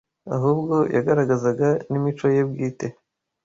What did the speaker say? ahubwo yagaragazaga n’imico ye bwite